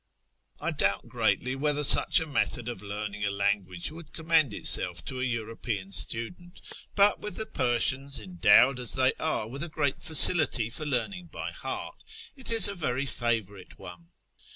I doubt greatly whether such a method of learning a language would commend itself to a European student, but with the Persians, endowed as they are with a great facility for learning by heart, it is a very favourite one.